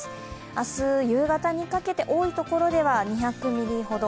明日、夕方にかけて多いところでは２００ミリほど。